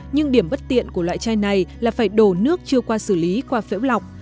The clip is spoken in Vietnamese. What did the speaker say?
nhưng điểm bất tiện của loại chai này là phải đổ nước chưa qua xử lý qua phễu lọc